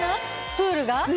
プールが？